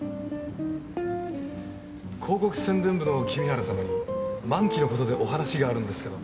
広告宣伝部の君原様に満期の事でお話があるんですけど。